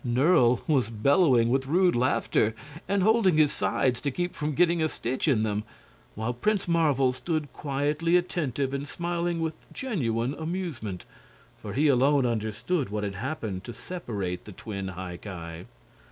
Nerle was bellowing with rude laughter and holding his sides to keep from getting a stitch in them, while Prince Marvel stood quietly attentive and smiling with genuine amusement. For he alone understood what had happened to separate the twin High Ki.